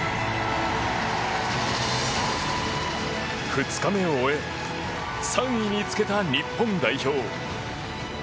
２日目を終え３位につけた日本代表。